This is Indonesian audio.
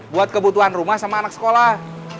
buat kebutuhan rumah sama anak sekolah